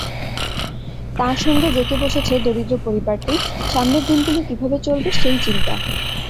তার সঙ্গে জেঁকে বসেছে দরিদ্র পরিবারটি সামনের দিনগুলো কীভাবে চলবে, সেই চিন্তা।